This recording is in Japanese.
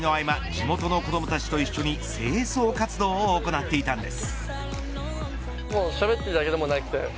地元の子どもたちと一緒に清掃活動を行っていたんです。